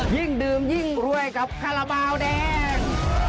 ยิ่งดื่มยิ่งรวยกับคาราบาลแดง